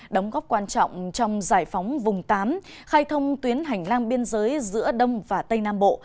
đóng góp quan trọng trong giải phóng vùng tám khai thông tuyến hành lang biên giới giữa đông và tây nam bộ